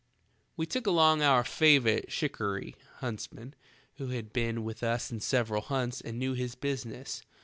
"We took along our favorite shikarry (hunts man), who had been with us in several hunts and knew his business.